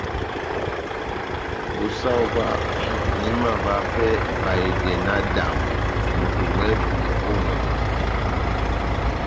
Ó sah óvah, nahimavaha pɛhɛ ibahedɛ náhádambɔ, moto wɛ́hɛ́pi ó ŋʼwɛngɛ !